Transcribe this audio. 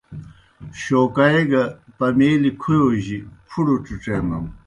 شوکائے گہ پمیلیْ کھویؤجیْ پُھڑہ ڇِڇَینَن۔